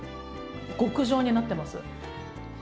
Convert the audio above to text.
極上になってます。